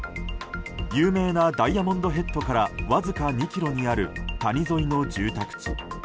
有名なダイヤモンドヘッドからわずか２ｋｍにある谷沿いの住宅地。